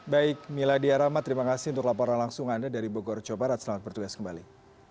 baik miladia rahma terima kasih untuk laporan langsung anda dari bogor jawa barat selamat bertugas kembali